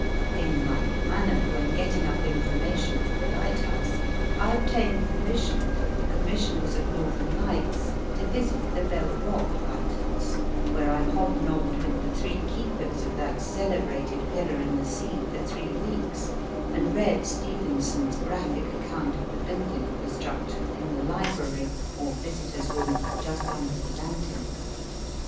In like manner, when getting up information for The Lighthouse, I obtained permission from the Commissioners of Northern Lights to visit the Bell Rock Lighthouse, where I hobnobbed with the three keepers of that celebrated pillar in the sea for three weeks, and read Stevenson s graphic account of the 160 MY FIRST BOOK building of the structure in the library, or visitors room, just under the lantern.